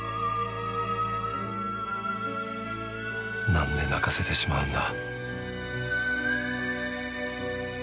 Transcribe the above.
何で泣かせてしまうんだ？